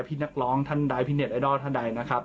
พี่นักร้องท่านใดพี่เน็ตไอดอลท่านใดนะครับ